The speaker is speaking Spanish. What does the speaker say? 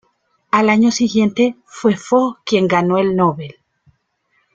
Al año siguiente, fue Fo quien ganó el Nobel.